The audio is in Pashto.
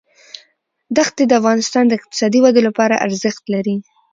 ښتې د افغانستان د اقتصادي ودې لپاره ارزښت لري.